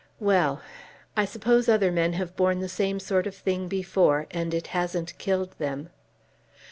Well ; I suppose other men have borne the same sort of thing before and it hasn't killed them."